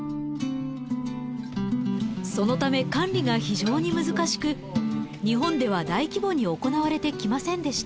そのため管理が非常に難しく日本では大規模に行われてきませんでした。